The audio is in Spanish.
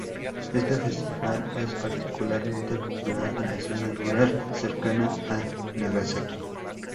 Este festival es particularmente popular en la zona rural cercana a Nagasaki.